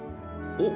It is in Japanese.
おっ！